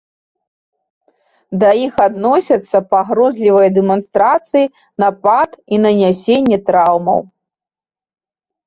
Да іх адносяцца пагрозлівыя дэманстрацыі, напад і нанясенне траўмаў.